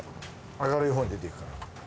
明るいほうに出ていくから。